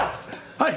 はい。